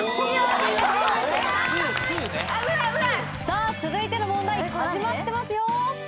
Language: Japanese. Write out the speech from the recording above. さあ続いての問題始まってますよ。